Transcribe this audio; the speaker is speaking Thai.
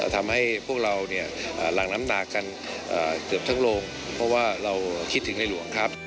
ทำให้พวกเราหลั่งน้ำหนักกันเกือบทั้งโรงเพราะว่าเราคิดถึงในหลวงครับ